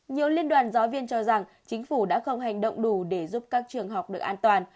nhiều liên đoàn giáo viên cho rằng chính phủ đã không hành động đủ để giúp các trường học được an toàn